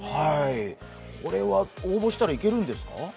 これは応募したら行けるんですか？